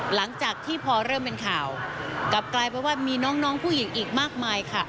หลังจากที่พอเริ่มเป็นข่าวกลับกลายเป็นว่ามีน้องผู้หญิงอีกมากมายค่ะ